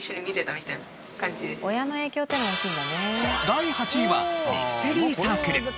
第８位はミステリーサークル。